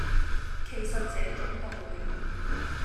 其實這種道理